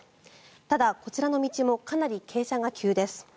ただ、こちらの道もかなり傾斜が急です。